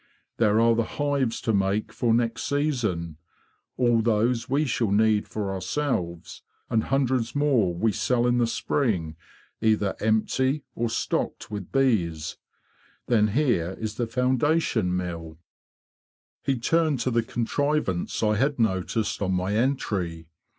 There are the hives to make for next season; all those we shall need for ourselves, and hundreds more we WINTER WORK ON THE BEE FARM 89 sell in the spring, either empty or stocked with bees. Then here is the foundation mill." _He turned to the contrivance I had noticed on my entry.